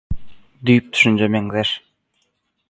Düýp düşünje meňzeş.